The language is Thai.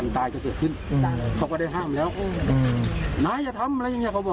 นายวิ่งเข้าไปเขาก็วิ่งตามนายมาไง